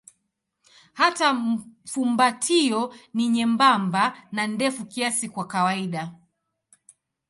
Hata fumbatio ni nyembamba na ndefu kiasi kwa kawaida.